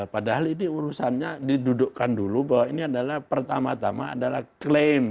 padahal ini urusannya didudukkan dulu bahwa ini adalah pertama tama adalah klaim